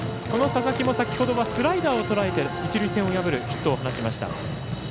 この佐々木も先ほどはスライダーをとらえて一塁線を破るヒットを放ちました。